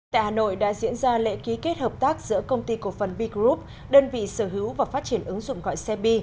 tại hà nội đã diễn ra lễ ký kết hợp tác giữa công ty cổ phần b group đơn vị sở hữu và phát triển ứng dụng gọi xe bi